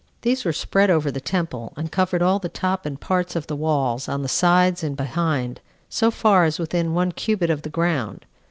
These were spread over the temple, and covered all the top and parts of the walls, on the sides and behind, so far as within one cubit of the ground.